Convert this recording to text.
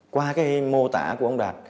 qua cái mô tả của ông đạt